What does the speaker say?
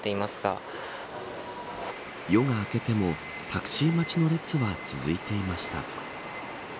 夜が明けてもタクシー待ちの列は続いていました。